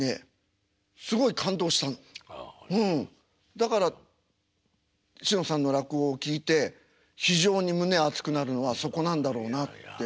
だからしのさんの落語を聴いて非常に胸熱くなるのはそこなんだろうなって。